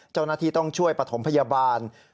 เจ้าหน้าที่ต้องช่วยปฐมพยาบาล